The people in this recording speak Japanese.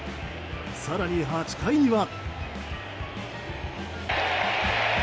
更に８回には。